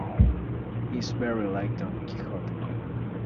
He is very like Don Quixote.